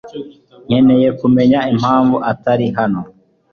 Nkeneye kumenya impamvu atari hano.